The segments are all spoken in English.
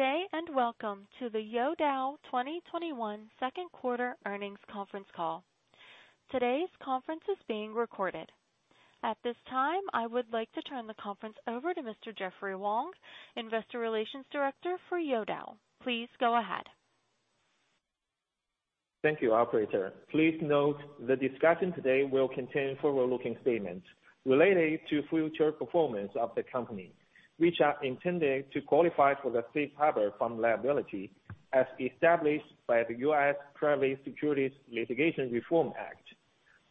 Good day, welcome to the Youdao 2021 Second Quarter Earnings Conference Call. Today's conference is being recorded. At this time, I would like to turn the conference over to Mr. Jeffrey Wang, Investor Relations Director for Youdao. Please go ahead. Thank you, operator. Please note the discussion today will contain forward-looking statements related to future performance of the company, which are intended to qualify for the safe harbor from liability as established by the U.S. Private Securities Litigation Reform Act.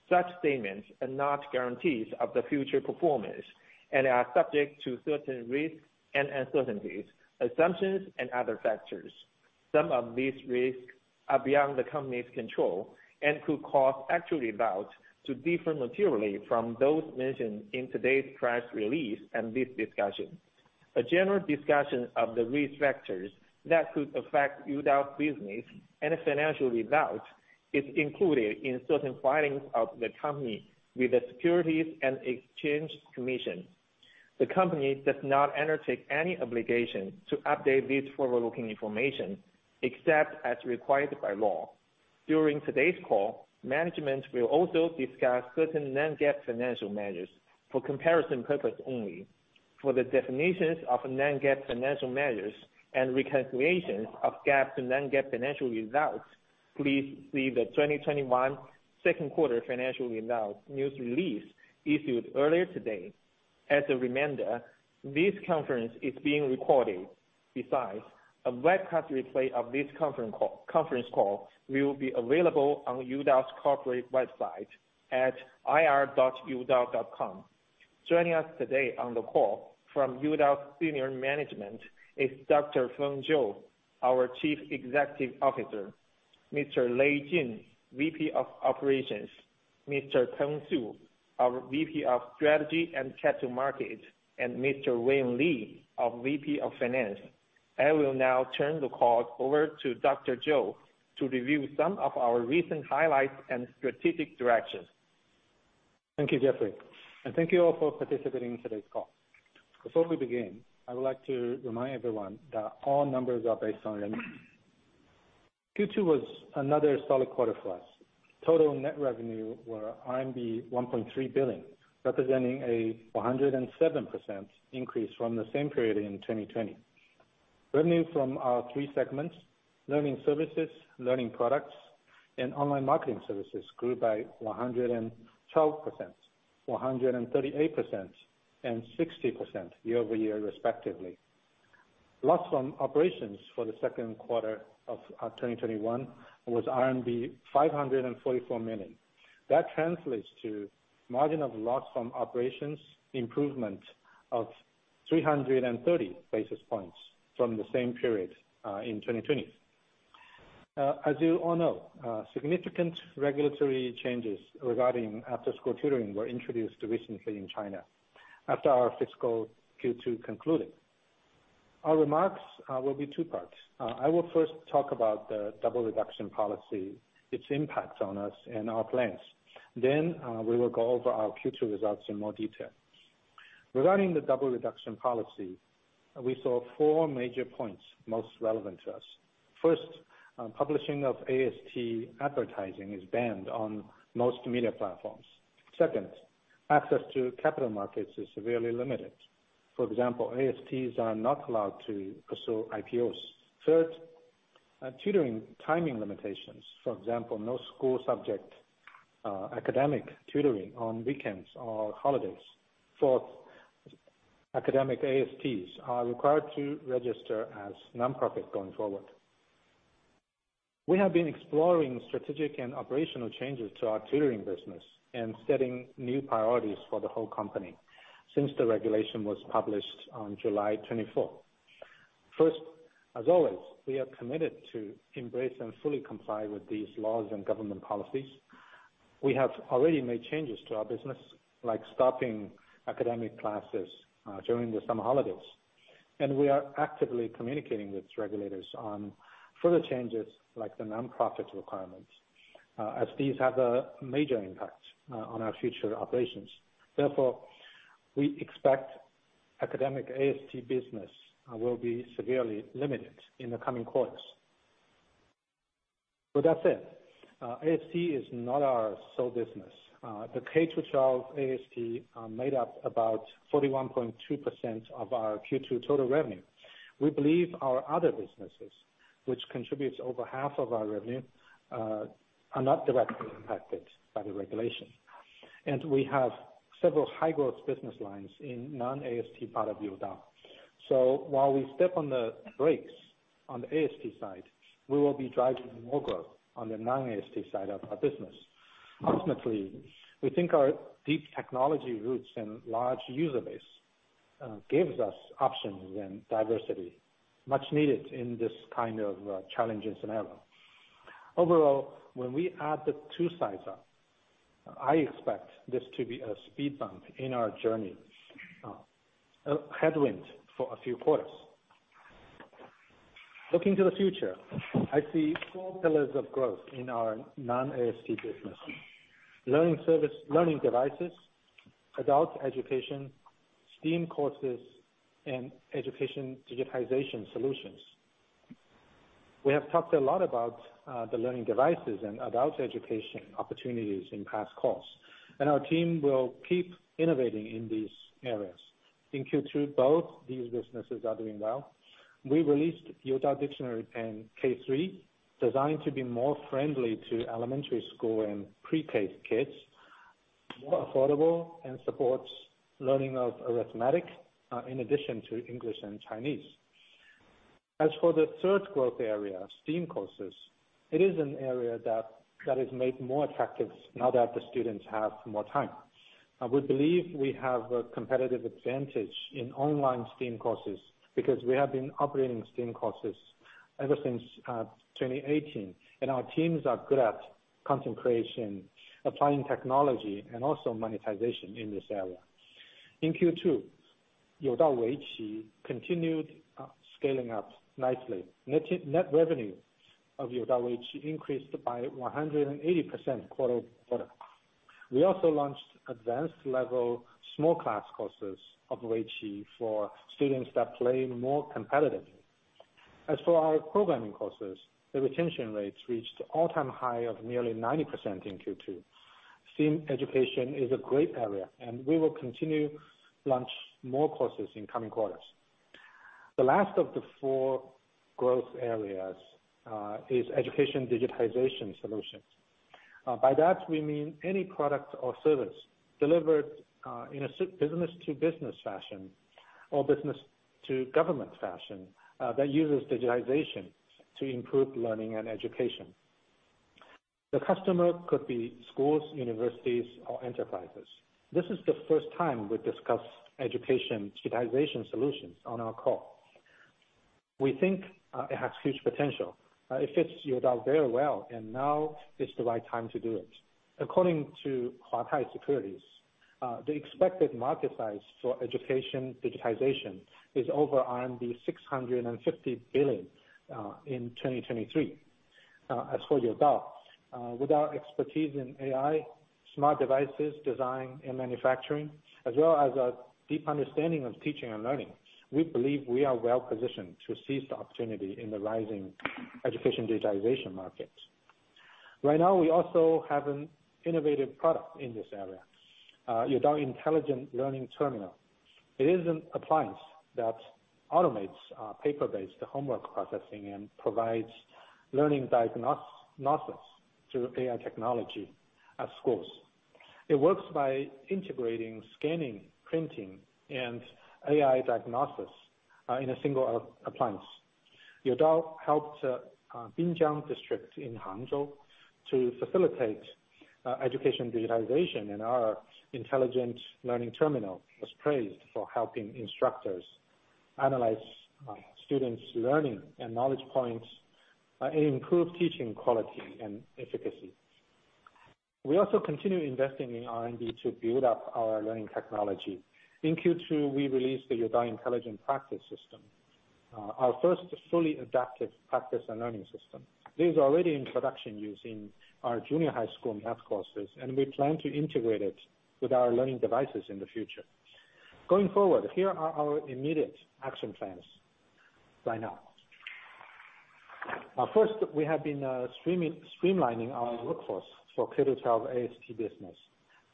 Such statements are not guarantees of the future performance and are subject to certain risks and uncertainties, assumptions, and other factors. Some of these risks are beyond the company's control and could cause actual results to differ materially from those mentioned in today's press release and this discussion. A general discussion of the risk factors that could affect Youdao's business and financial results is included in certain filings of the company with the Securities and Exchange Commission. The company does not undertake any obligation to update this forward-looking information except as required by law. During today's call, management will also discuss certain non-GAAP financial measures for comparison purpose only. For the definitions of non-GAAP financial measures and reconciliations of GAAP to non-GAAP financial results, please see the 2021 second quarter financial results news release issued earlier today. As a reminder, this conference is being recorded. Besides, a webcast replay of this conference call will be available on Youdao's corporate website at ir.youdao.com. Joining us today on the call from Youdao senior management is Dr. Feng Zhou, our Chief Executive Officer, Mr. Lei Jin, VP of Operations, Mr. Peng Su, our VP of Strategy and Capital Markets, and Mr. Wayne Li, our VP of Finance. I will now turn the call over to Dr. Zhou to review some of our recent highlights and strategic directions. Thank you, Jeffrey. Thank you all for participating in today's call. Before we begin, I would like to remind everyone that all numbers are based on revenue. Q2 was another solid quarter for us. Total net revenue were RMB 1.3 billion, representing a 107% increase from the same period in 2020. Revenue from our three segments, learning services, learning products, and online marketing services grew by 112%, 138%, and 60% year-over-year, respectively. Loss from operations for the second quarter of 2021 was RMB 544 million. That translates to margin of loss from operations improvement of 330 basis points from the same period in 2020. As you all know, significant regulatory changes regarding after-school tutoring were introduced recently in China after our fiscal Q2 concluded. Our remarks will be two parts. I will first talk about the Double Reduction Policy, its impact on us, and our plans. We will go over our future results in more detail. Regarding the Double Reduction Policy, we saw four major points most relevant to us. First, publishing of AST advertising is banned on most media platforms. Second, access to capital markets is severely limited. For example, ASTs are not allowed to pursue IPOs. Third, tutoring timing limitations. For example, no school subject academic tutoring on weekends or holidays. Fourth, academic ASTs are required to register as nonprofit going forward. We have been exploring strategic and operational changes to our tutoring business and setting new priorities for the whole company since the regulation was published on July 24. First, as always, we are committed to embrace and fully comply with these laws and government policies. We have already made changes to our business, like stopping academic classes during the summer holidays, we are actively communicating with regulators on further changes like the nonprofit requirements, as these have a major impact on our future operations. Therefore, we expect academic AST business will be severely limited in the coming quarters. That said, AST is not our sole business. The K-12 AST made up about 41.2% of our Q2 total revenue. We believe our other businesses, which contributes over half of our revenue, are not directly impacted by the regulation. We have several high-growth business lines in non-AST part of Youdao. While we step on the brakes on the AST side, we will be driving more growth on the non-AST side of our business. Ultimately, we think our deep technology roots and large user base gives us options and diversity much needed in this kind of challenging scenario. Overall, when we add the two sides up, I expect this to be a speed bump in our journey. A headwind for a few quarters. Looking to the future, I see four pillars of growth in our non-AST business: learning service, learning devices, Adult education, STEAM courses, and education digitization solutions. We have talked a lot about the learning devices and Adult education opportunities in past calls, and our team will keep innovating in these areas. In Q2, both these businesses are doing well. We released Youdao Dictionary Pen 3, designed to be more friendly to elementary school and pre-K kids, more affordable, and supports learning of arithmetic, in addition to English and Chinese. As for the third growth area, STEAM courses, it is an area that is made more attractive now that the students have more time. We believe we have a competitive advantage in online STEAM courses because we have been operating STEAM courses ever since 2018, and our teams are good at content creation, applying technology, and also monetization in this area. In Q2, Youdao Weiqi continued scaling up nicely. Net revenue of Youdao Weiqi increased by 180% quarter-over-quarter. We also launched advanced-level small class courses of Weiqi for students that play more competitively. As for our programming courses, the retention rates reached all-time high of nearly 90% in Q2. STEAM education is a great area, and we will continue to launch more courses in coming quarters. The last of the four growth areas is education digitization solutions. By that, we mean any product or service delivered in a business-to-business fashion or business-to-government fashion that uses digitization to improve learning and education. The customer could be schools, universities, or enterprises. This is the first time we discuss education digitization solutions on our call. We think it has huge potential. It fits Youdao very well, and now is the right time to do it. According to Huatai Securities, the expected market size for education digitization is over RMB 650 billion in 2023. As for Youdao, with our expertise in AI, smart devices design and manufacturing, as well as a deep understanding of teaching and learning, we believe we are well-positioned to seize the opportunity in the rising education digitization market. Right now, we also have an innovative product in this area, Youdao Intelligent Learning Terminal. It is an appliance that automates paper-based homework processing and provides learning diagnosis through AI technology at schools. It works by integrating scanning, printing, and AI diagnosis in a single appliance. Youdao helped Binjiang District in Hangzhou to facilitate education digitization, and our intelligent learning terminal was praised for helping instructors analyze students' learning and knowledge points. It improved teaching quality and efficacy. We also continue investing in R&D to build up our learning technology. In Q2, we released the Youdao Intelligent Practice System, our first fully adaptive practice and learning system. This is already in production use in our junior high school math courses, and we plan to integrate it with our learning devices in the future. Going forward, here are our immediate action plans right now. First, we have been streamlining our workforce for K-12 AST business.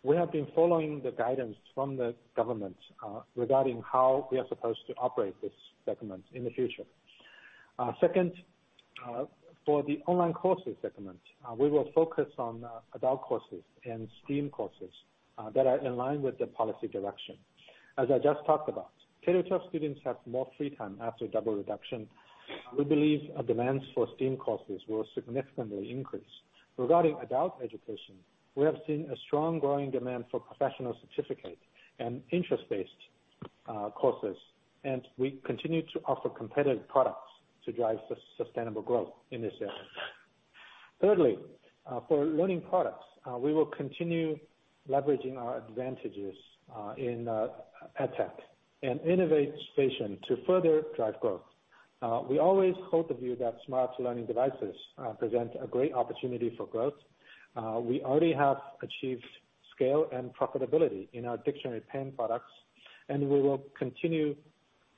We have been following the guidance from the government regarding how we are supposed to operate this segment in the future. Second, for the online courses segment, we will focus on adult courses and STEAM courses that are in line with the policy direction. As I just talked about, K-12 students have more free time after Double Reduction. We believe demands for STEAM courses will significantly increase. Regarding adult education, we have seen a strong growing demand for professional certificate and interest-based courses, and we continue to offer competitive products to drive sustainable growth in this area. Thirdly, for learning products, we will continue leveraging our advantages in EdTech and innovation to further drive growth. We always hold the view that smart learning devices present a great opportunity for growth. We already have achieved scale and profitability in our dictionary pen products. We will continue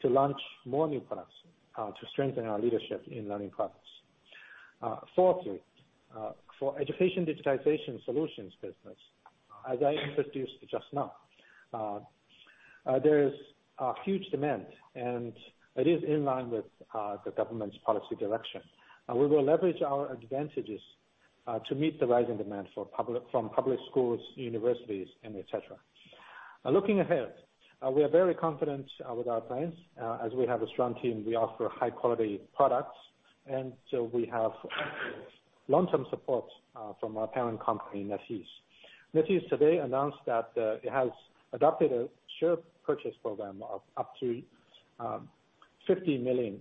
to launch more new products to strengthen our leadership in learning products. Fourthly, for education digitization solutions business, as I introduced just now, there is a huge demand. It is in line with the government's policy direction. We will leverage our advantages to meet the rising demand from public schools, universities, and et cetera. Looking ahead, we are very confident with our plans. As we have a strong team, we offer high-quality products. We have long-term support from our parent company, NetEase. NetEase today announced that it has adopted a share purchase program of up to $50 million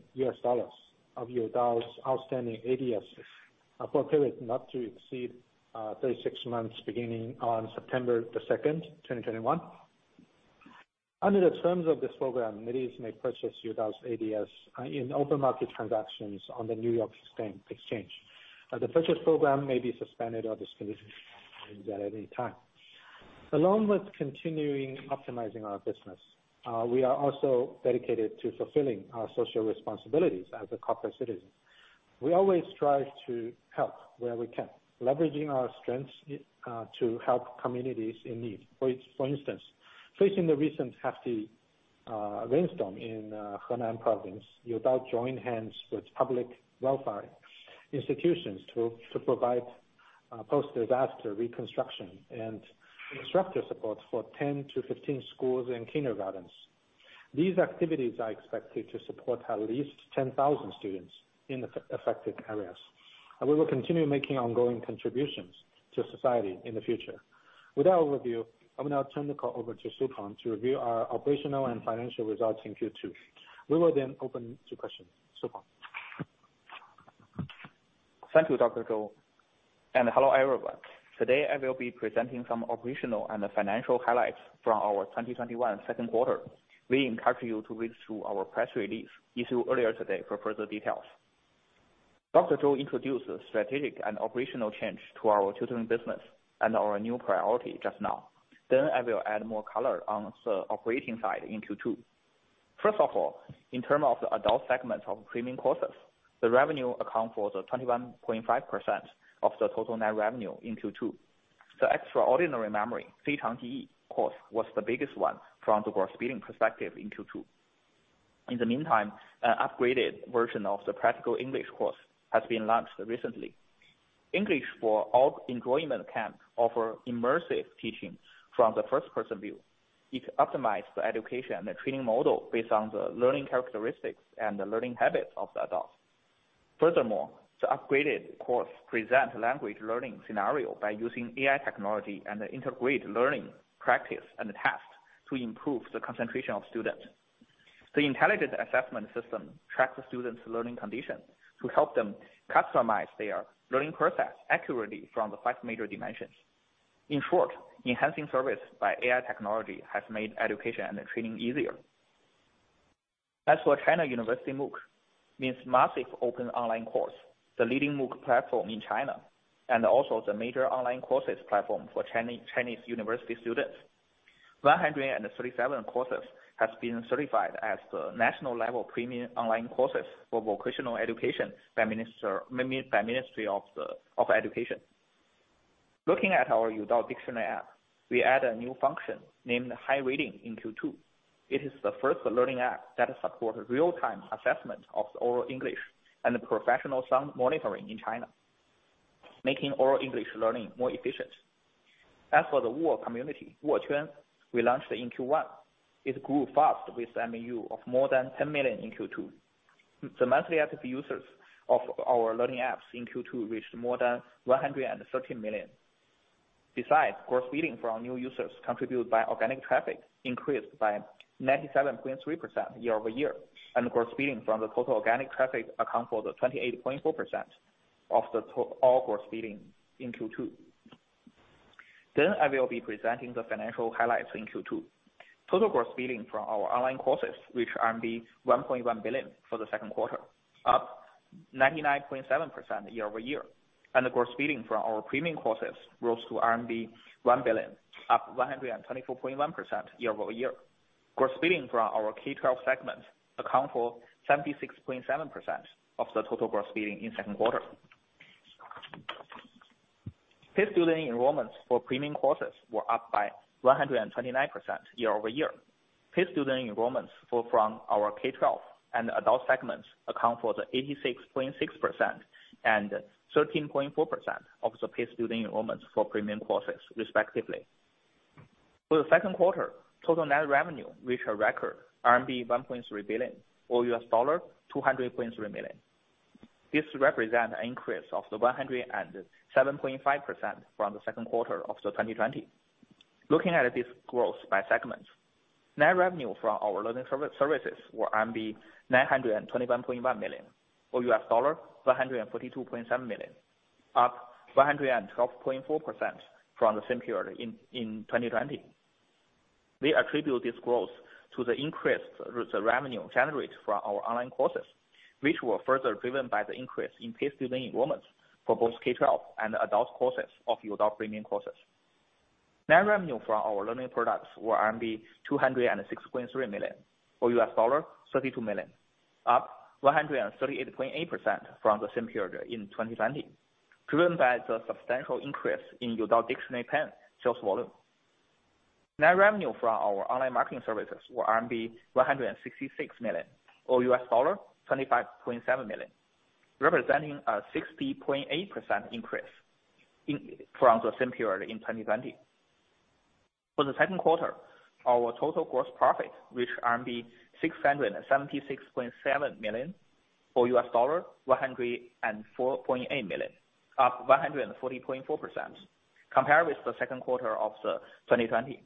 of Youdao's outstanding ADS for a period not to exceed 36 months, beginning on September 2nd, 2021. Under the terms of this program, entities may purchase Youdao's ADS in open market transactions on the New York Stock Exchange. The purchase program may be suspended or discontinued at any time. Along with continuing optimizing our business, we are also dedicated to fulfilling our social responsibilities as a corporate citizen. We always strive to help where we can, leveraging our strengths to help communities in need. For instance, facing the recent hefty rainstorm in Henan Province, Youdao joined hands with public welfare institutions to provide post-disaster reconstruction and structure support for 10-15 schools and kindergartens. These activities are expected to support at least 10,000 students in the affected areas. We will continue making ongoing contributions to society in the future. With that overview, I will now turn the call over to Peng Su to review our operational and financial results in Q2. We will open to questions. Peng Su. Thank you, Dr. Zhou, and hello, everyone. Today, I will be presenting some operational and financial highlights from our 2021 second quarter. We encourage you to read through our press release issued earlier today for further details. Dr. Zhou introduced the strategic and operational change to our tutoring business and our new priority just now. I will add more color on the operating side in Q2. First of all, in term of the adult segment of premium courses, the revenue account for the 21.5% of the total net revenue in Q2. The Extraordinary Memory course was the biggest one from the gross billing perspective in Q2. In the meantime, an upgraded version of the Practical English course has been launched recently. English for all enjoyment camp offer immersive teaching from the first-person view. It optimize the education and the training model based on the learning characteristics and the learning habits of the adults. Furthermore, the upgraded course present language learning scenario by using AI technology and integrate learning, practice, and the test to improve the concentration of student. The intelligent assessment system tracks the student's learning condition to help them customize their learning process accurately from the five major dimensions. In short, enhancing service by AI technology has made education and training easier. As for China University MOOC, means Massive Open Online Course, the leading MOOC platform in China, and also the major online courses platform for Chinese university students. 137 courses has been certified as the national level premium online courses for vocational education by Ministry of Education. Looking at our Youdao Dictionary app, we add a new function named Hi Reading in Q2. It is the first learning app that support real-time assessment of oral English and professional sound monitoring in China, making oral English learning more efficient. As for the Woo community, Wooquan, we launched in Q1. It grew fast with MAU of more than 10 million in Q2. The monthly active users of our learning apps in Q2 reached more than 130 million. Besides gross billing from new users contributed by organic traffic increased by 97.3% year-over-year. Gross billing from the total organic traffic account for the 28.4% of all gross billing in Q2. I will be presenting the financial highlights in Q2. Total gross billing from our online courses, which 1.1 billion for the second quarter, up 99.7% year-over-year. The gross billing from our premium courses rose to RMB 1 billion, up 124.1% year-over-year. Gross billing from our K-12 segment account for 76.7% of the total gross billing in second quarter. Paid student enrollments for premium courses were up by 129% year-over-year. Paid student enrollments from our K-12 and adult segments account for the 86.6% and 13.4% of the paid student enrollments for premium courses, respectively. For the second quarter, total net revenue reached a record RMB 1.3 billion or $200.3 million. This represent an increase of the 107.5% from the second quarter of the 2020. Looking at this growth by segment, net revenue from our learning services were 921.1 million, or $142.7 million, up 112.4% from the same period in 2020. We attribute this growth to the increased revenue generated from our online courses, which were further driven by the increase in paid student enrollments for both K-12 and adult courses of Youdao premium courses. Net revenue from our learning products were RMB 206.3 million, or $32 million, up 138.8% from the same period in 2020, driven by the substantial increase in Youdao Dictionary Pen sales volume. Net revenue from our online marketing services were RMB 166 million, or $25.7 million, representing a 60.8% increase from the same period in 2020. For the second quarter, our total gross profit reached RMB 676.7 million, or $104.8 million, up 140.4%, compared with the second quarter of 2020.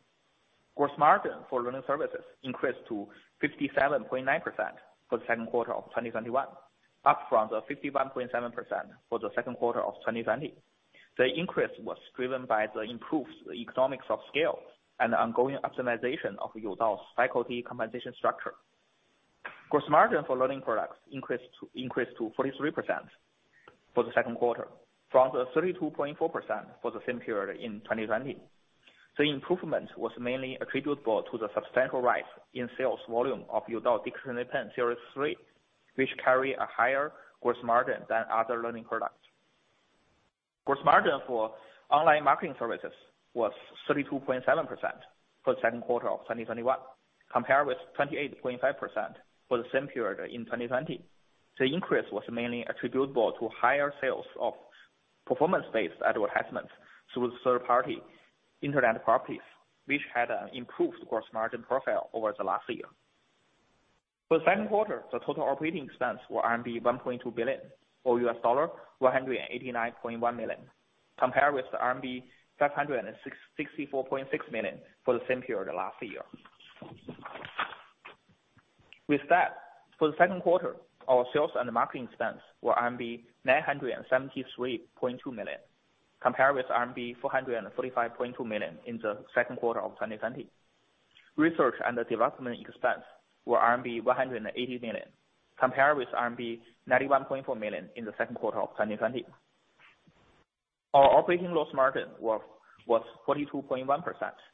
The increase was driven by the improved economics of scale and the ongoing optimization of Youdao's faculty compensation structure. Gross margin for learning products increased to 43% for the second quarter, from the 32.4% for the same period in 2020. The improvement was mainly attributable to the substantial rise in sales volume of Youdao Dictionary Pen Series 3, which carry a higher gross margin than other learning products. Gross margin for online marketing services was 32.7% for the second quarter of 2021, compared with 28.5% for the same period in 2020. The increase was mainly attributable to higher sales of performance-based advertisements through third-party internet properties, which had an improved gross margin profile over the last year. For the second quarter, the total operating expense were RMB 1.2 billion, or $189.1 million, compared with the RMB 564.6 million for the same period last year. With that, for the second quarter, our sales and marketing expense were RMB 973.2 million, compared with RMB 445.2 million in the second quarter of 2020. Research and development expense were RMB 180 million, compared with RMB 91.4 million in the second quarter of 2020. Our operating loss margin was 42.1%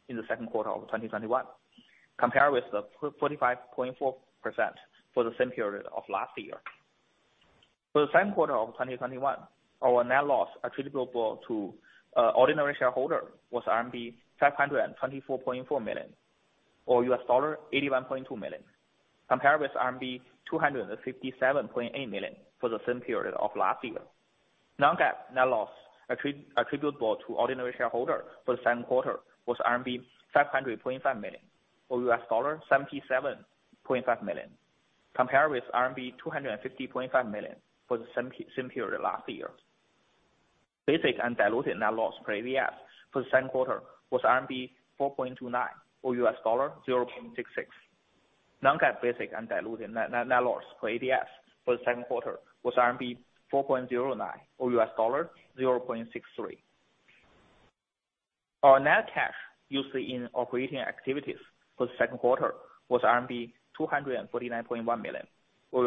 in the second quarter of 2021, compared with 45.4% for the same period of last year. For the second quarter of 2021, our net loss attributable to ordinary shareholder was RMB 524.4 million, or $81.2 million, compared with RMB 257.8 million for the same period of last year. Non-GAAP net loss attributable to ordinary shareholder for the second quarter was RMB 500.5 million, or $77.5 million, compared with RMB 250.5 million for the same period last year. Basic and diluted net loss per ADS for the second quarter was RMB 4.29, or $0.66. Non-GAAP basic and diluted net loss per ADS for the second quarter was RMB 4.09, or $0.63. Our net cash used in operating activities for the second quarter was RMB 249.1 million, or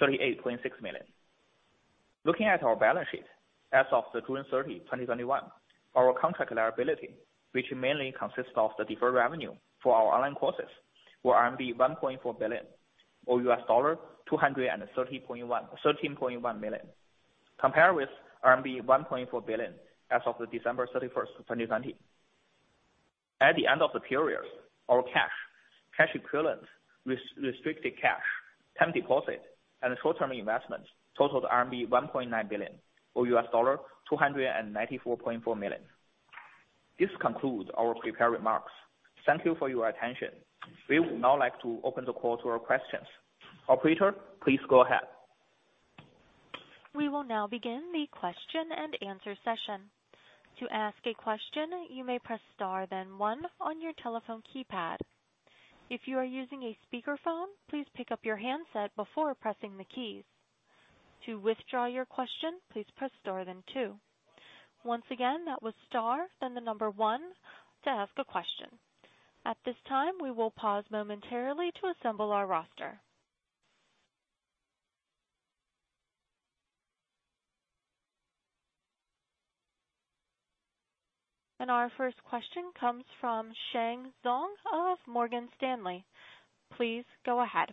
$38.6 million. Looking at our balance sheet as of the June 30, 2021, our contract liability, which mainly consists of the deferred revenue for our online courses, were RMB 1.4 billion, or $213.1 million, compared with RMB 1.4 billion as of the December 31, 2020. At the end of the period, our cash equivalents, restricted cash, term deposit, and short-term investments totaled RMB 1.9 billion, or $294.4 million. This concludes our prepared remarks. Thank you for your attention. We would now like to open the call to our questions. Operator, please go ahead. Our first question comes from Sheng Zhong of Morgan Stanley. Please go ahead.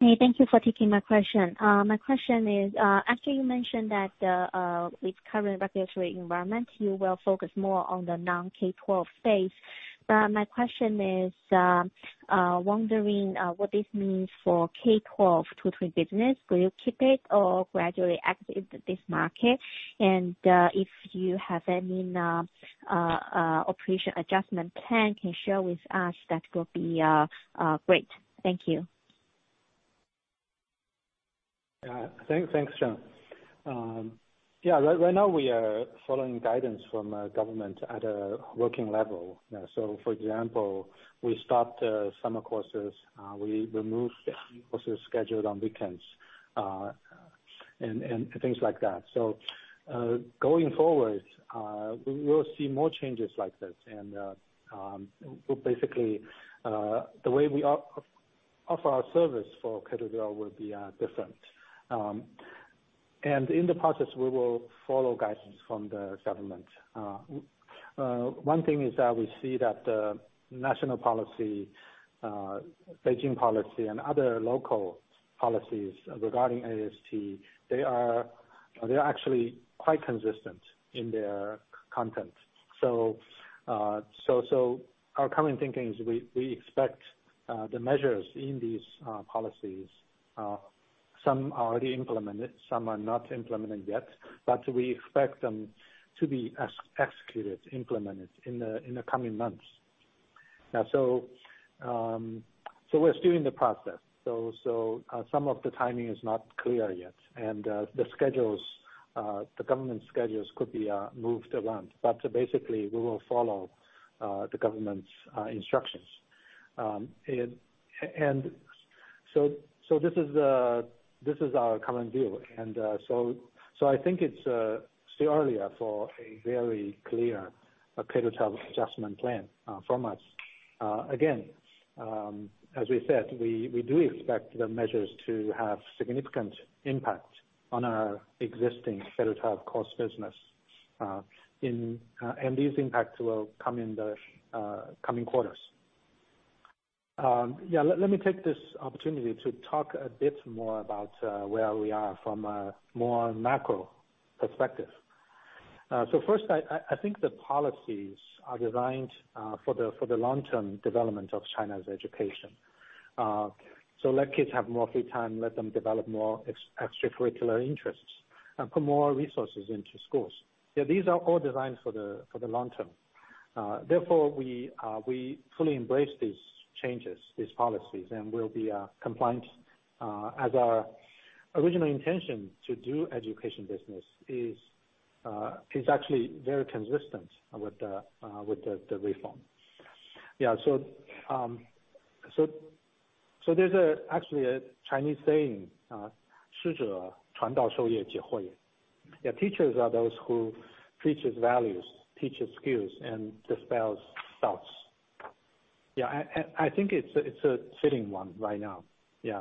Hey, thank you for taking my question. My question is, actually, you mentioned that with current regulatory environment, you will focus more on the non-K-12 space. My question is, I'm wondering what this means for K-12 tutoring business. Will you keep it or gradually exit this market? If you have any operation adjustment plan, can you share with us? That will be great. Thank you. Thanks, Sheng. Right now we are following guidance from government at a working level. For example, we stopped summer courses, we removed courses scheduled on weekends, and things like that. Going forward, we will see more changes like this and basically, the way we offer our service for K-12 will be different. In the process, we will follow guidance from the government. One thing is that we see that the national policy, Beijing policy, and other local policies regarding AST, they are actually quite consistent in their content. Our current thinking is we expect the measures in these policies, some are already implemented, some are not implemented yet, but we expect them to be executed, implemented, in the coming months. We're still in the process. Some of the timing is not clear yet, and the government schedules could be moved around, but basically we will follow the government's instructions. This is our current view. I think it's still early for a very clear inaudible adjustment plan from us. Again, as we said, we do expect the measures to have significant impact on our existing inaudible cost business. These impacts will come in the coming quarters. Let me take this opportunity to talk a bit more about where we are from a more macro perspective. First, I think the policies are designed for the long-term development of China's education. Let kids have more free time, let them develop more extracurricular interests and put more resources into schools. These are all designed for the long-term. Therefore, we fully embrace these changes, these policies, and we'll be compliant as our original intention to do education business is actually very consistent with the reform. There's actually a Chinese saying. Teachers are those who teaches values, teaches skills, and dispels doubts. Yeah, I think it's a fitting one right now. Yeah. Yeah.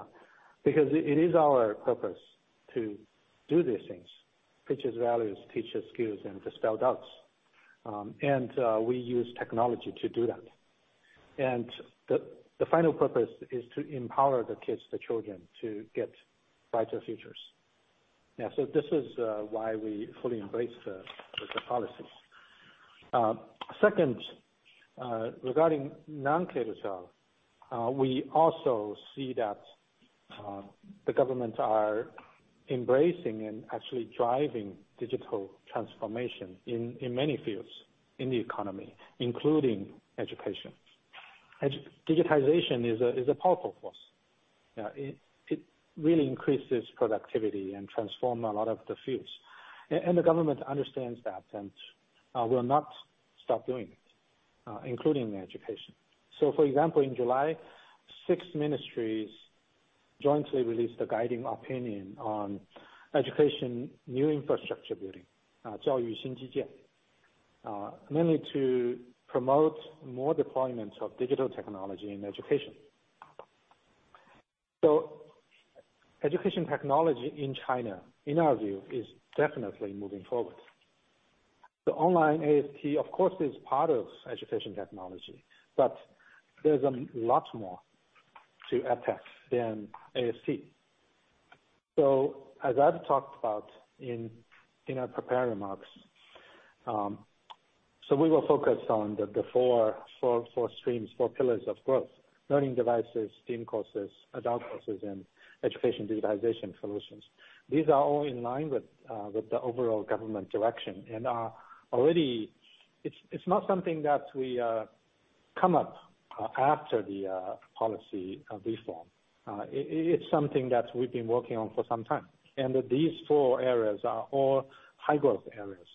Because it is our purpose to do these things, teaches values, teaches skills, and dispel doubts. We use technology to do that. The final purpose is to empower the kids, the children, to get brighter futures. Yeah. Yeah. This is why we fully embrace the policies. Second, regarding non-K-12, we also see that the government are embracing and actually driving digital transformation in many fields in the economy, including education. Digitization is a powerful force. It really increases productivity and transform a lot of the fields. The government understands that and will not stop doing it, including the education. For example, in July, six ministries jointly released a guiding opinion on education, new infrastructure building, mainly to promote more deployments of digital technology in education. Education technology in China, in our view, is definitely moving forward. The online AST, of course, is part of education technology, but there's a lot more to EdTech than AST. As I've talked about in our prepared remarks, we will focus on the four streams, four pillars of growth, learning devices, STEAM courses, adult courses, and education digitization solutions. These are all in line with the overall government direction. It's not something that we come up after the policy reform. It's something that we've been working on for some time, and these four areas are all high growth areas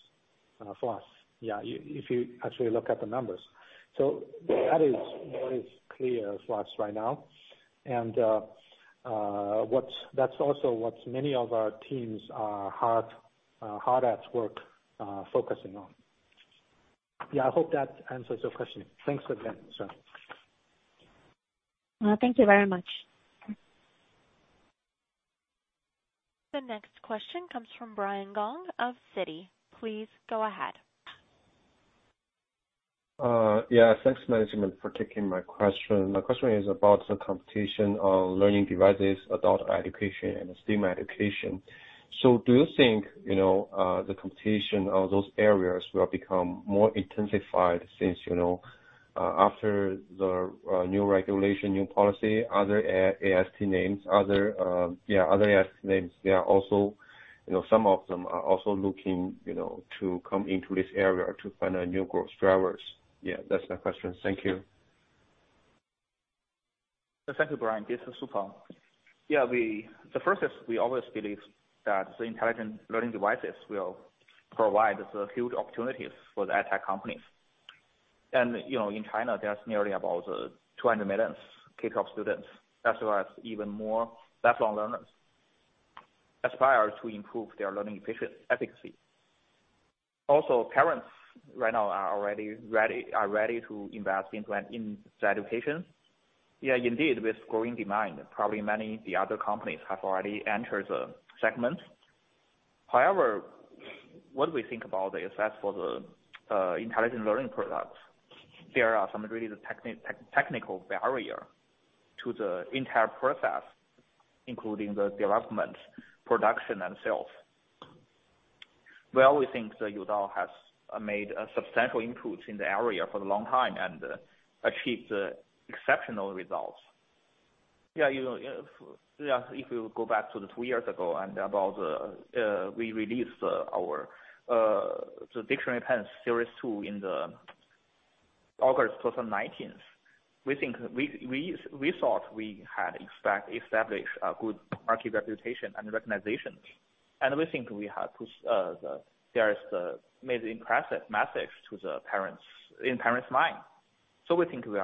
for us. Yeah, if you actually look at the numbers. That is clear for us right now. That's also what many of our teams are hard at work focusing on. Yeah, I hope that answers your question. Thanks again. Thank you very much. The next question comes from Brian Gong of Citi. Please go ahead. Yeah. Thanks, management for taking my question. My question is about the competition of learning devices, adult education, and STEM education. Do you think the competition of those areas will become more intensified since, after the new regulation, new policy, other AST names, some of them are also looking to come into this area to find new growth drivers? Yeah, that's my question. Thank you. Thank you, Brian. This is Peng Su. The first is we always believe that the intelligent learning devices will provide the huge opportunities for the EdTech companies. In China, there's nearly about 200 million K-12 students, as well as even more lifelong learners aspire to improve their learning efficacy. Parents right now are ready to invest in education. Indeed, with growing demand, probably many of the other companies have already entered the segment. What we think about the assets for the intelligent learning products, there are some really technical barrier to the entire process, including the development, production, and sales. We always think that Youdao has made a substantial improvement in the area for a long time and achieved exceptional results. If you go back to the two years ago and about we released our Youdao Dictionary Pen Series 2 in the August 2019. We thought we had established a good market reputation and recognition. We think we have pushed the impressive message in parents' minds. We think we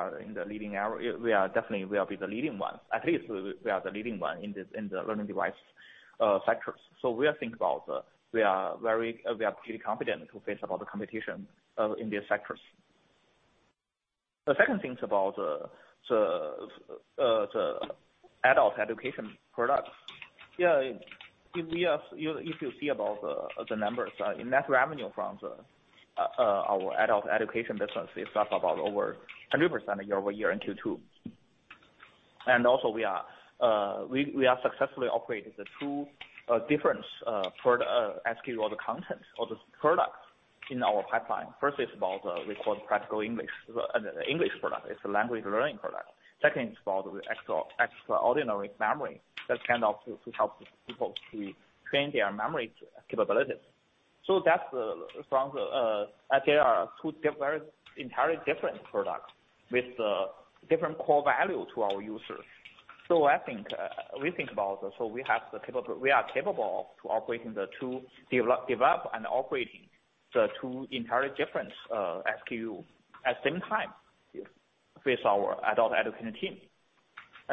are definitely will be the leading one. At least we are the leading one in the learning device sectors. We are thinking about, we are pretty confident to face all the competition in these sectors. The second thing is about the adult education products. Yeah. If you see about the numbers, the net revenue from our adult education business is up about over 100% year-over-year in Q2. Also we are successfully operating the two different SKU of the content or the products in our pipeline. First is about the, we call it Practical English. It's an English product. It's a language learning product. Second is called Extraordinary Memory. That can help people to train their memory capabilities. They are two entirely different products with different core value to our users. We think about, we are capable to develop and operating the two entirely different SKU at same time with our adult education team.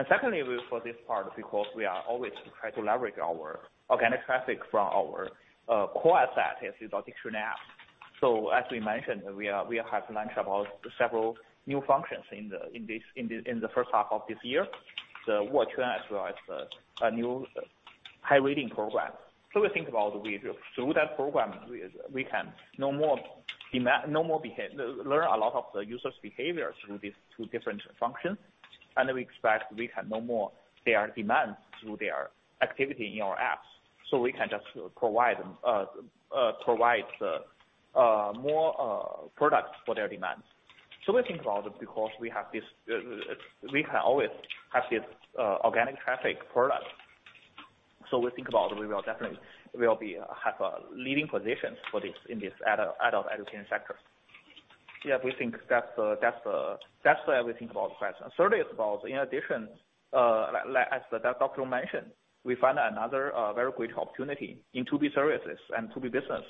Secondly, for this part, because we are always try to leverage our organic traffic from our core asset, is Youdao Dictionary app. As we mentioned, we have launched about several new functions in the first half of this year. The Word Tuner is a new high reading program. We think about through that program, we can know more, learn a lot of the users' behavior through these two different functions. We expect we can know more their demands through their activity in our apps. We can just provide more products for their demands. We think about, because we can always have this organic traffic product. We think about we will definitely have a leading position in this adult education sector. Yeah, that's why we think about the question. Thirdly is about, in addition, as the doctor mentioned, we find another very great opportunity in 2B services and 2B business.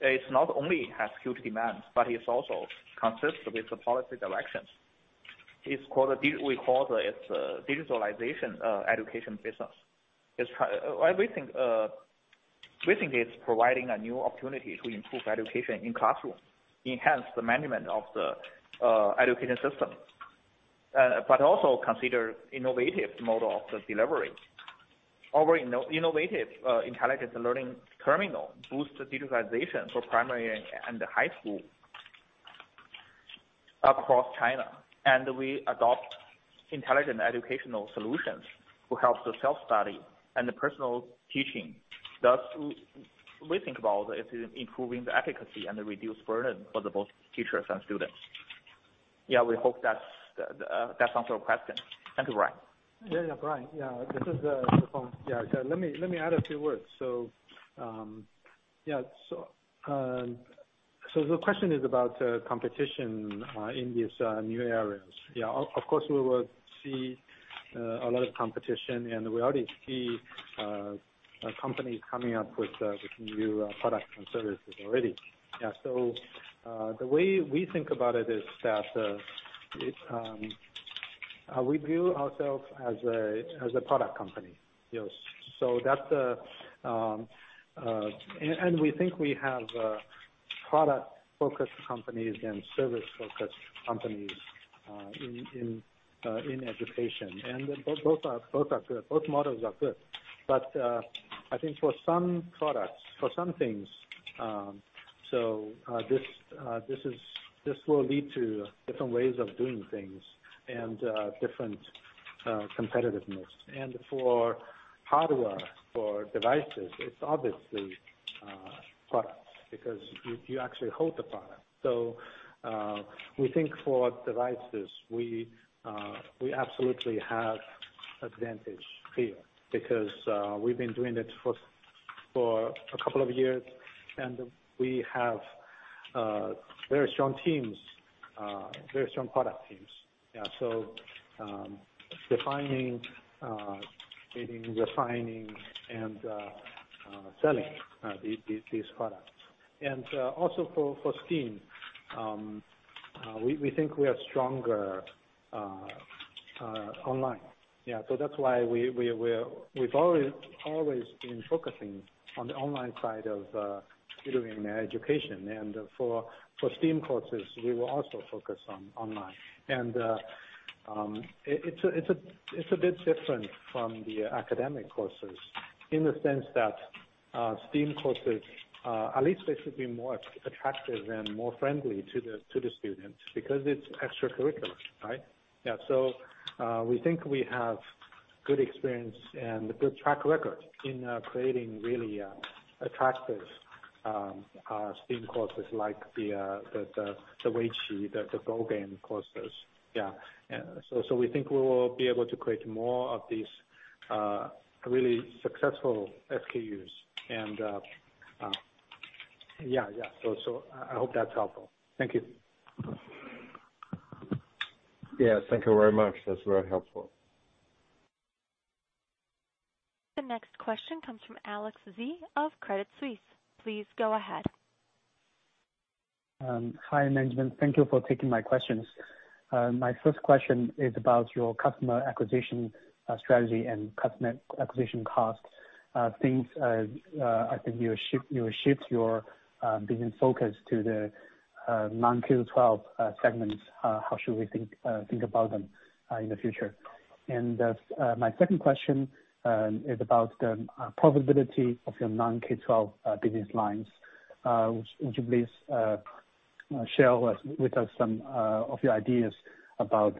It's not only has huge demands, but it's also consists with the policy directions. We call this digitalization education business. We think it's providing a new opportunity to improve education in classroom, enhance the management of the education system. Also consider innovative model of the delivery. Our innovative Youdao Smart Learning Terminal boosts the digitalization for primary and high school across China. We adopt Youdao Intelligent Practice System to help the self-study and the personal teaching. Thus, we think about it is improving the efficacy and the reduced burden for the both teachers and students. Yeah, we hope that answers your question. Thank you, Brian. Brian, this is Feng Zhou. Let me add a few words. The question is about competition in these new areas. Of course we will see a lot of competition and we already see companies coming up with new products and services already. The way we think about it is that, we view ourselves as a product company. We think we have product-focused companies and service-focused companies in education. Both are good. Both models are good. I think for some products, for some things, this will lead to different ways of doing things and different competitiveness. For hardware, for devices, it's obviously products, because you actually hold the product. We think for devices, we absolutely have advantage here because we've been doing this for a couple of years, and we have very strong teams, very strong product teams. Defining, refining and selling these products. Also for STEAM, we think we are stronger online. That's why we've always been focusing on the online side of tutoring education. For STEAM courses, we will also focus on online. It's a bit different from the academic courses in the sense that STEAM courses are at least they should be more attractive and more friendly to the students because it's extracurricular, right? We think we have good experience and good track record in creating really attractive STEAM courses like the Weiqi, the Go game courses. We think we will be able to create more of these really successful SKUs and. I hope that's helpful. Thank you. Yes, thank you very much. That's very helpful. The next question comes from Alex Zhou of Credit Suisse. Please go ahead. Hi, management. Thank you for taking my questions. My first question is about your customer acquisition strategy and customer acquisition cost. I think you shift your business focus to the non-K-12 segments. How should we think about them in the future? My second question is about the profitability of your non-K-12 business lines. Would you please share with us some of your ideas about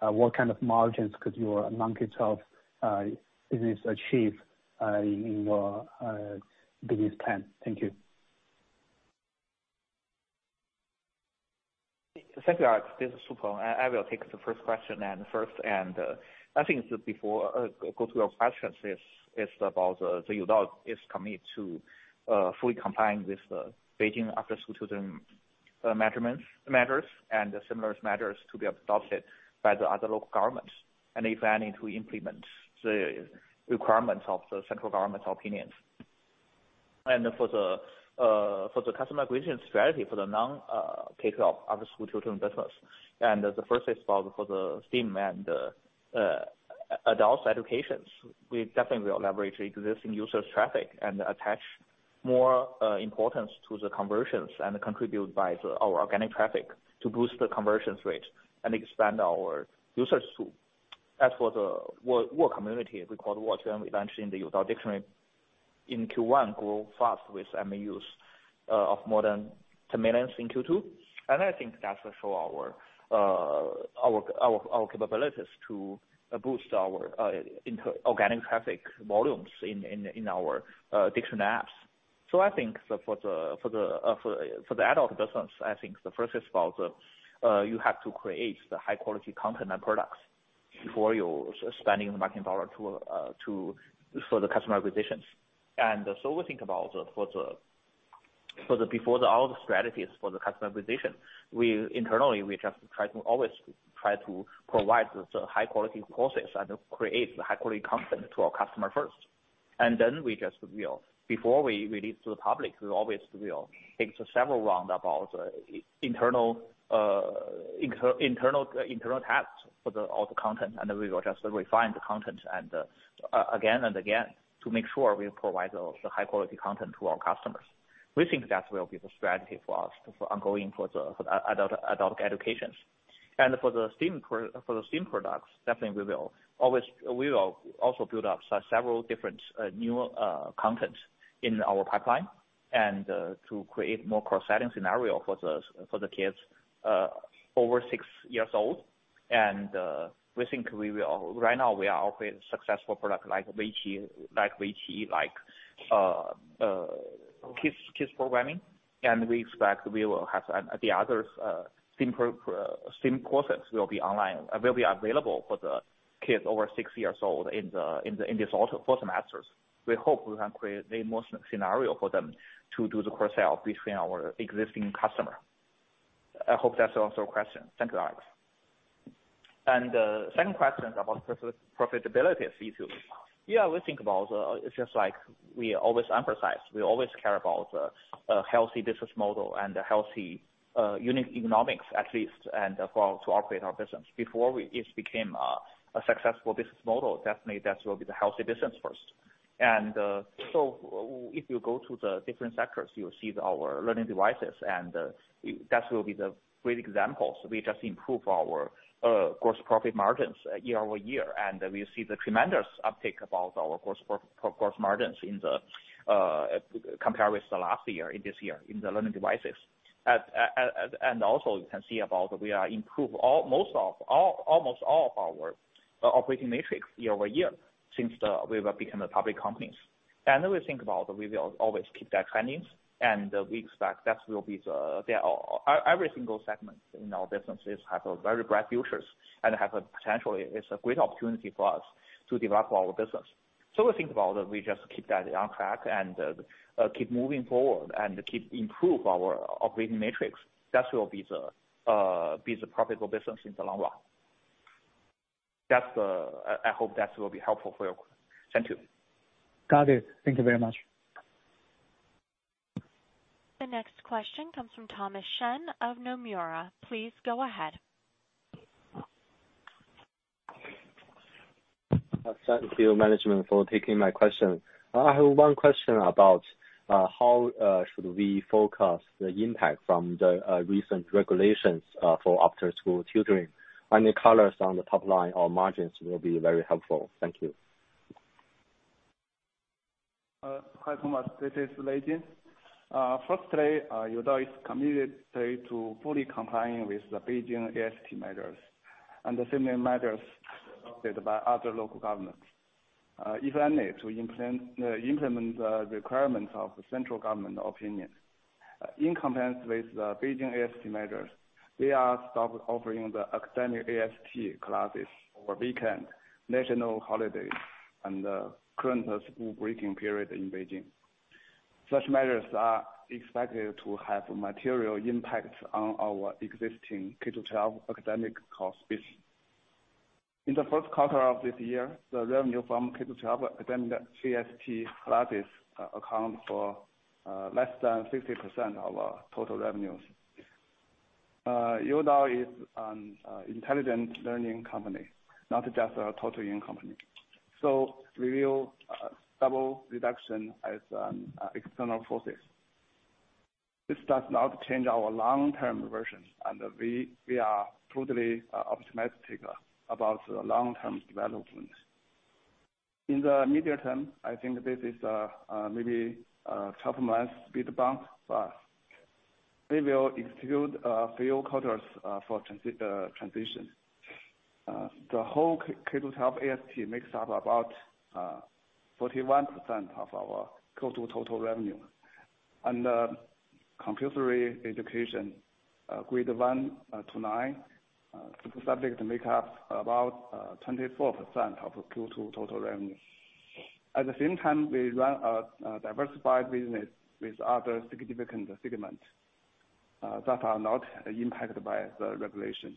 what kind of margins could your non-K-12 business achieve in your business plan? Thank you. Thank you, Alex. This is Peng Su. I will take the first question. Before I go to your questions, it's about the Youdao is committed to fully complying with the Beijing after-school tutoring measurements matters and the similar matters to be adopted by the other local governments. If they need to implement the requirements of the central government opinions. For the customer acquisition strategy for the non K-12 after-school tutoring business, the first is for the STEAM and adult educations. We definitely will leverage existing users traffic and attach more importance to the conversions and contribute by our organic traffic to boost the conversion rate and expand our user base. As for the Word Community, we call it Wooquan, we launched in the Youdao Dictionary in Q1, grew fast with MAUs of more than 10 million in Q2. I think that will show our capabilities to boost our organic traffic volumes in our dictionary apps. I think for the adult business, I think the first is about you have to create the high-quality content and products before you're spending the marketing dollar for the customer acquisitions. We think about before all the strategies for the customer acquisition, internally, we just always try to provide the high-quality courses and create the high-quality content to our customer first. Then before we release to the public, we always will take several round about internal tests for all the content, and we will just refine the content again and again to make sure we provide the high-quality content to our customers. We think that will be the strategy for us for ongoing adult educations. For the STEAM products, definitely we will also build up several different new content in our pipeline and to create more cross-selling scenario for the kids over six years old. We think right now we are operating successful product like Weiqi, like kids programming, and we expect the other STEAM courses will be available for the kids over six years old in this autumn, fourth semester. We hope we can create the most scenario for them to do the cross-sell between our existing customer. I hope that answers your question. Thank you, Alex. The second question about profitability of C2. We think about, it's just like we always emphasize, we always care about the healthy business model and the healthy unit economics, at least, to operate our business. Before it became a successful business model, definitely that will be the healthy business first. If you go to the different sectors, you will see our learning devices, and that will be the great example. We just improve our gross profit margins year-over-year, and we see the tremendous uptick about our gross margins compared with the last year in this year in the learning devices. Also you can see about we improve almost all of our operating metrics year-over-year since we were become a public company. We think about we will always keep that trending, and we expect every single segment in our businesses have a very bright futures and have a potential. It's a great opportunity for us to develop our business. We think about we just keep that on track and keep moving forward and keep improve our operating metrics. That will be the profitable business in the long run. I hope that will be helpful for you. Thank you. Got it. Thank you very much. The next question comes from Thomas Shen of Nomura. Please go ahead. Thank you, management, for taking my question. I have one question about how should we forecast the impact from the recent regulations for After-School Tutoring? Any colors on the top line or margins will be very helpful. Thank you. Hi, Thomas. This is Lei Jin. Firstly, Youdao is committed today to fully complying with the Beijing AST matters and the similar matters adopted by other local governments, if any, to implement the requirements of the central government opinion. In compliance with the Beijing AST matters, we are stop offering the academic AST classes over weekend, national holidays, and the current school breaking period in Beijing. Such measures are expected to have a material impact on our existing K-12 academic course business. In the first quarter of this year, the revenue from K-12 academic AST classes account for less than 50% of our total revenues. Youdao is an intelligent learning company, not just a tutoring company. We view Double Reduction as an external process. This does not change our long-term vision, and we are totally optimistic about the long-term development. In the medium term, I think this is maybe a 12-month speed bump, but we will execute a few quarters for transition. The whole K-12 AST makes up about 41% of our Q2 total revenue. Compulsory education, grade one to nine, subject make up about 24% of Q2 total revenue. At the same time, we run a diversified business with other significant segments that are not impacted by the regulation.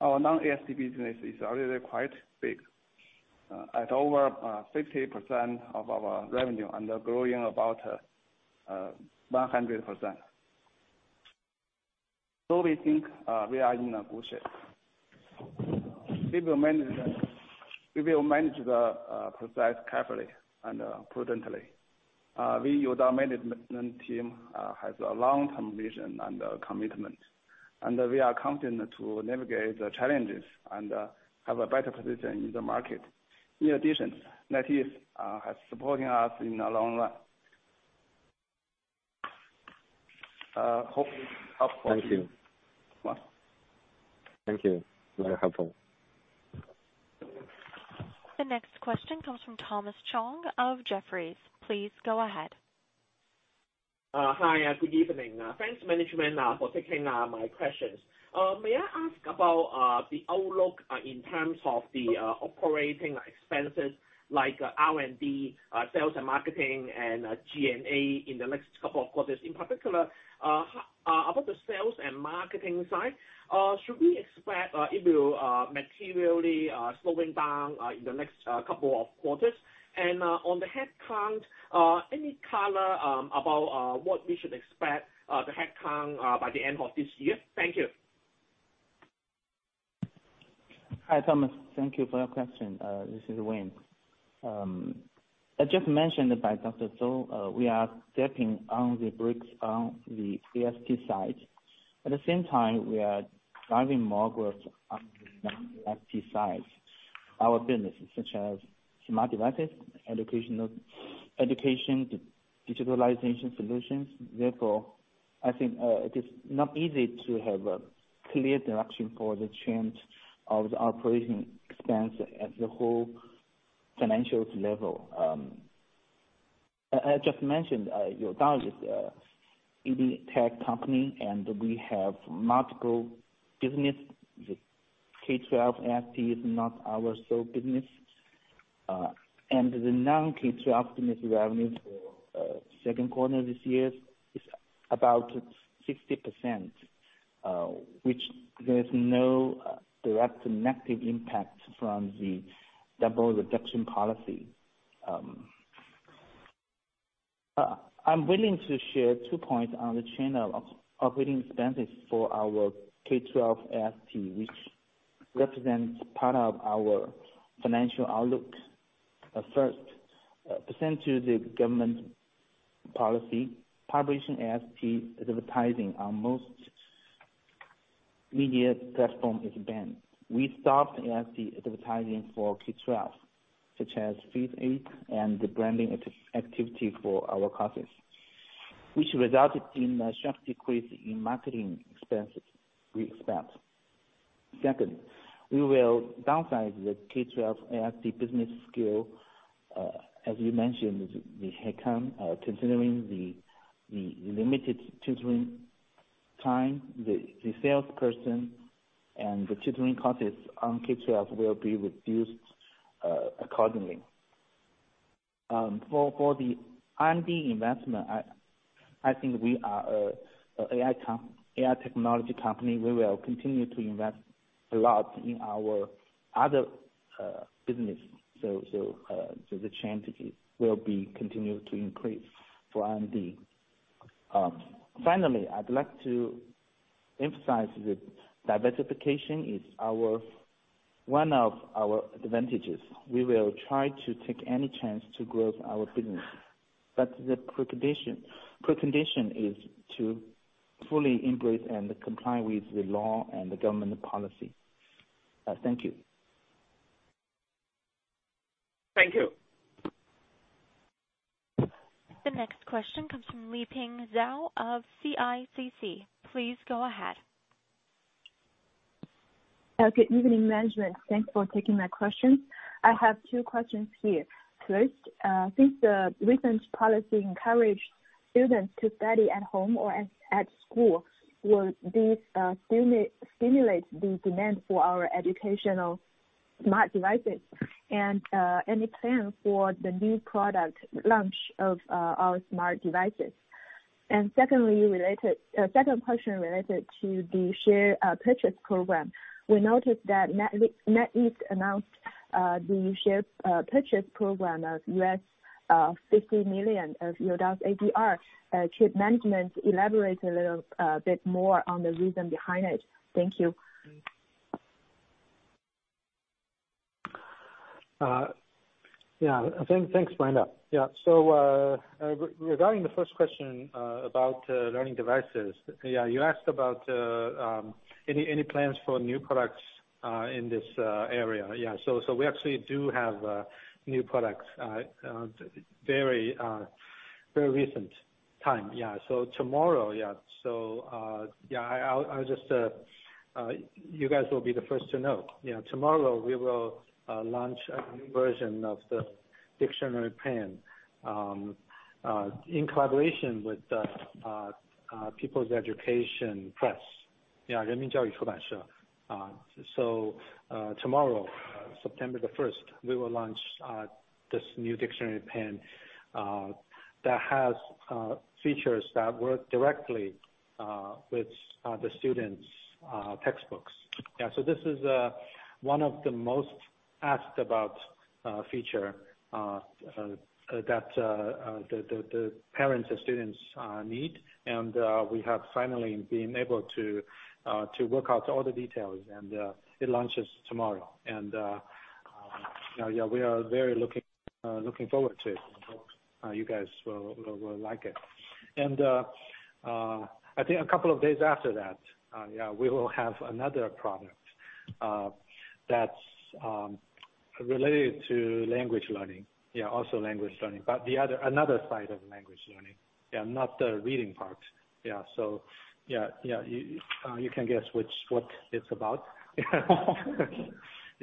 Our non-AST business is already quite big at over 50% of our revenue and growing about 100%. We think we are in a good shape. We will manage the process carefully and prudently. We, Youdao management team, has a long-term vision and commitment, and we are confident to navigate the challenges and have a better position in the market. In addition, NetEase has supporting us in the long run. Hope this is helpful. Thank you. What? Thank you. Very helpful. The next question comes from Thomas Chong of Jefferies. Please go ahead. Hi. Good evening. Thanks management for taking my questions. May I ask about the outlook in terms of the operating expenses like R&D, sales and marketing, and G&A in the next couple of quarters? In particular, about the sales and marketing side, should we expect it will materially slowing down in the next couple of quarters? On the headcount, any color about what we should expect the headcount by the end of this year? Thank you. Hi, Thomas. Thank you for your question. This is Wayne. As just mentioned by Dr. Zhou, we are stepping on the brakes on the AST side. At the same time, we are driving more growth on the non-AST side, our businesses such as smart devices, education, digitalization solutions. I think it is not easy to have a clear direction for the change of the operating expense at the whole financials level. As just mentioned, Youdao is an EdTech company, and we have multiple business. The K-12 AST is not our sole business. The non-K-12 business revenue for second quarter this year is about 60%, which there is no direct negative impact from the Double Reduction Policy. I am willing to share two points on the change of operating expenses for our K-12 AST, which represents part of our financial outlook. First, pursuant to the government policy, publishing AST advertising on most media platform is banned. We stopped AST advertising for K-12, such as feed ad and the branding activity for our courses, which resulted in a sharp decrease in marketing expenses we expect. Second, we will downsize the K-12 AST business scale. As you mentioned, the headcount, considering the limited tutoring time, the salesperson and the tutoring courses on K-12 will be reduced accordingly. For the R&D investment, I think we are an AI technology company. We will continue to invest a lot in our other business. The chances will be continued to increase for R&D. Finally, I'd like to emphasize that diversification is one of our advantages. We will try to take any chance to grow our business, but the precondition is to fully embrace and comply with the law and the government policy. Thank you. Thank you. The next question comes from Liping Zhao of CICC. Please go ahead. Okay. Good evening, management. Thanks for taking my questions. I have two questions here. First, since the recent policy encourage- students to study at home or at school. Will this stimulate the demand for our educational smart devices? Any plan for the new product launch of our smart devices? Second question related to the share purchase program. We noticed that NetEase announced the share purchase program of $50 million of Youdao's ADR. Could management elaborate a little bit more on the reason behind it? Thank you. Thanks, Liping. Regarding the first question about learning devices. You asked about any plans for new products in this area. We actually do have new products, very recent time. Tomorrow. You guys will be the first to know. Tomorrow we will launch a new version of the dictionary pen, in collaboration with People's Education Press. Renmin Jiaoyu Chubanshe. Tomorrow, September the 1st, we will launch this new dictionary pen that has features that work directly with the students' textbooks. This is one of the most asked about feature that the parents and students need. We have finally been able to work out all the details and it launches tomorrow. We are very looking forward to it. We hope you guys will like it. I think a couple of days after that, we will have another product that's related to language learning. Also language learning, but another side of language learning. Not the reading part. You can guess what it's about.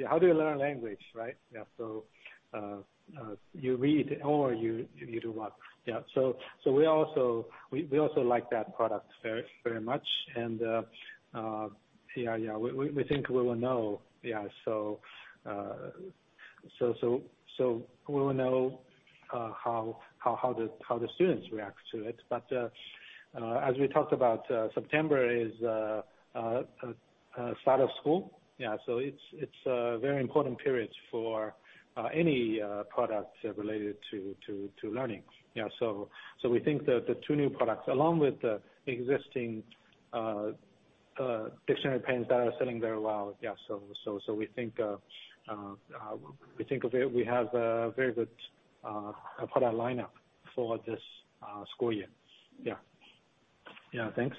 How do you learn a language, right? You read or you do what? We also like that product very much. We think we will know how the students react to it. As we talked about, September is start of school. So it's a very important period for any product related to learning. We think that the two new products, along with the existing dictionary pens that are selling very well. We think we have a very good product lineup for this school year. Thanks.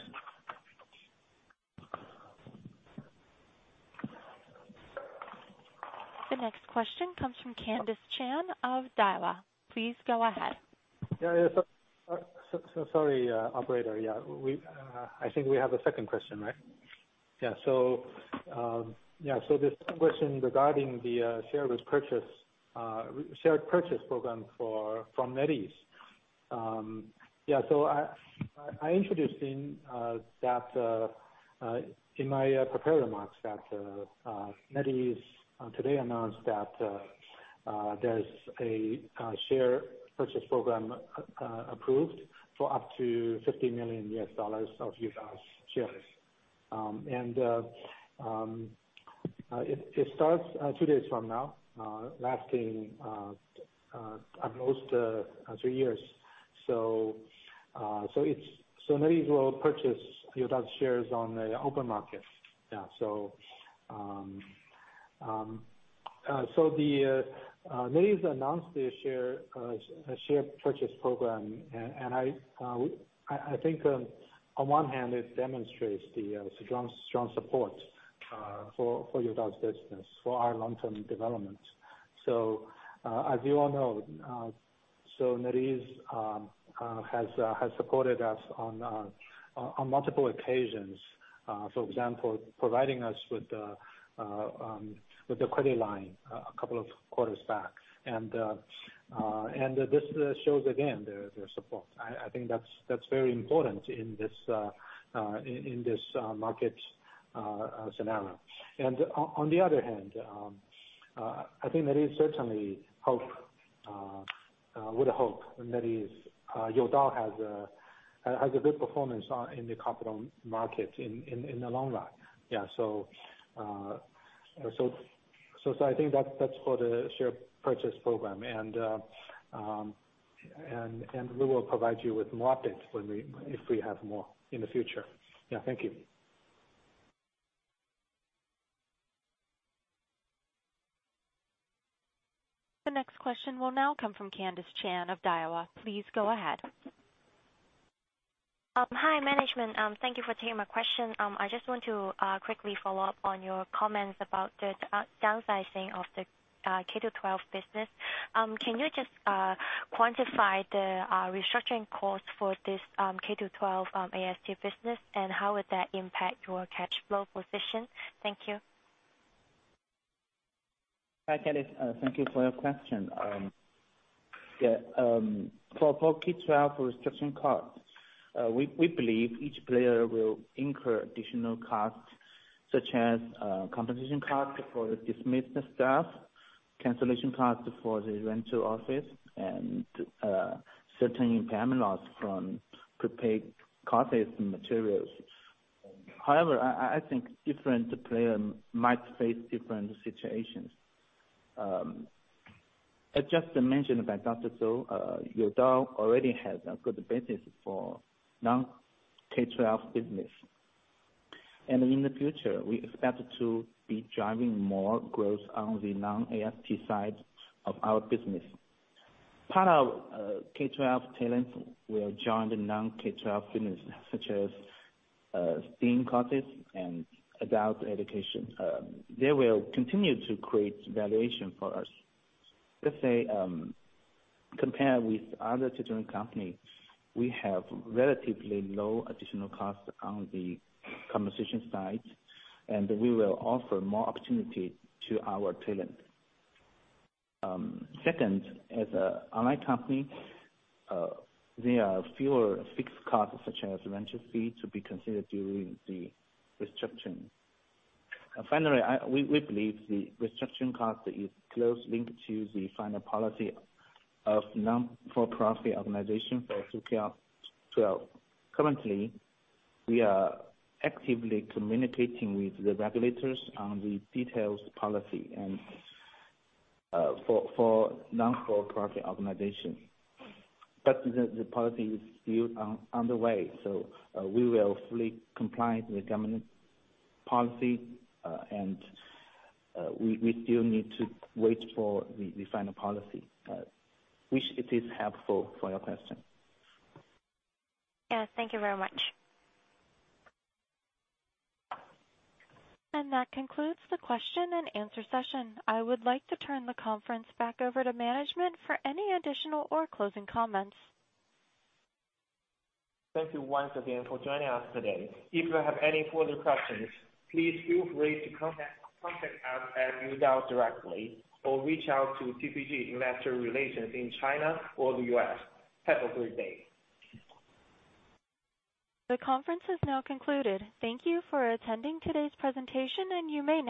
The next question comes from Candis Chan of Daiwa. Please go ahead. Yeah. Sorry, operator. I think we have a second question, right? Yeah. This question regarding the shared purchase program from NetEase. I introduced in my prepared remarks that NetEase today announced that there's a share purchase program approved for up to $50 million of Youdao's shares. It starts two days from now, lasting at most three years. NetEase will purchase Youdao's shares on the open market. NetEase announced a share purchase program. I think on one hand it demonstrates the strong support for Youdao's business, for our long-term development. As you all know, NetEase has supported us on multiple occasions. For example, providing us with a credit line a couple of quarters back. This shows again their support. I think that's very important in this market scenario. On the other hand, I think NetEase certainly would hope Youdao has a good performance in the capital market in the long run. I think that's for the share purchase program. We will provide you with more updates if we have more in the future. Thank you. The next question will now come from Candis Chan of Daiwa. Please go ahead. Hi, Management. Thank you for taking my question. I just want to quickly follow up on your comments about the downsizing of the K-12 business. Can you just quantify the restructuring cost for this K-12 AST business, and how would that impact your cash flow position? Thank you. Hi, Candis. Thank you for your question. For K-12 restructuring cost, we believe each player will incur additional costs such as compensation cost for dismissed staff, cancellation cost for the rental office, and certain impairment loss from prepaid courses and materials. I think different player might face different situations. As just mentioned by Dr. Zhou, Youdao already has a good business for non-K-12 business. In the future, we expect to be driving more growth on the non-AST side of our business. Part of K-12 talent will join the non-K-12 business such as STEAM courses and adult education. They will continue to create valuation for us. Let's say, compare with other tutoring company, we have relatively low additional cost on the compensation side, and we will offer more opportunity to our talent. Second, as an online company, there are fewer fixed costs such as rental fee to be considered during the restructuring. Finally, we believe the restructuring cost is closely linked to the final policy of non-profit organization for K-12. Currently, we are actively communicating with the regulators on the details policy and for non-profit organization. The policy is still underway, so we will fully comply with the government policy, and we still need to wait for the final policy. Wish it is helpful for your question. Yes, thank you very much. That concludes the question and answer session. I would like to turn the conference back over to management for any additional or closing comments. Thank you once again for joining us today. If you have any further questions, please feel free to contact us at Youdao directly or reach out to TPG Investor Relations in China or the U.S. Have a great day. The conference is now concluded. Thank you for attending today's presentation, and you may now disconnect.